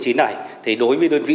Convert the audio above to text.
thì đối với đơn vị chúng tôi